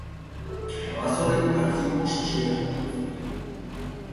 Babazorroek partida oso serioa jokatu zuten.